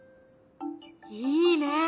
いいねえ！